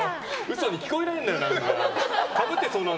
嘘に聞こえないんだよな。